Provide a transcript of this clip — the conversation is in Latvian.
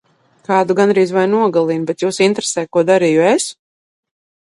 Kādu gandrīz vai nogalina, bet jūs interesē ko darīju es?